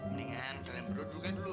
mendingan kalian berdua dulukan dulu ya